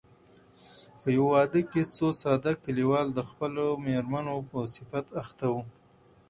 په يوه واده کې څو ساده کليوال د خپلو مېرمنو په صفت اخته وو.